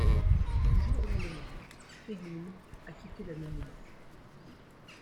Du jour au lendemain Feiglin a quitté l'anonymat.